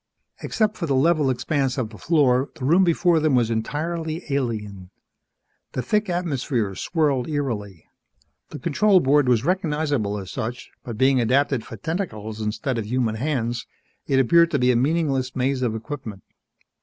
Except for the level expanse of the floor, the room before them was entirely alien. The thick atmosphere swirled eerily. The control board was recognizable as such, but being adapted for tentacles instead of human hands, it appeared to be a meaningless maze of equipment.